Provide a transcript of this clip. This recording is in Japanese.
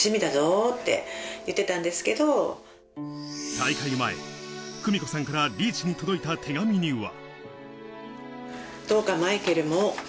大会前、久美子さんからリーチに届いた手紙には。